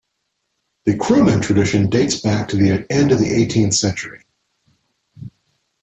The 'Krumen' tradition dates back to the end of the eighteenth century.